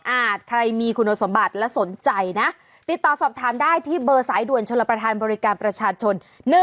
ใครมีคุณสมบัติและสนใจนะติดต่อสอบถามได้ที่เบอร์สายด่วนชลประธานบริการประชาชน